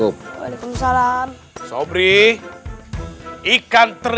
ada kagahas rata rata di sekitar